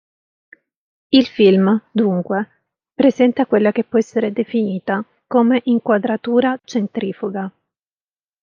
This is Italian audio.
Il film dunque presenta quella che può essere definita come inquadratura centrifuga.